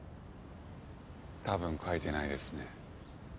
多分描いてないですね。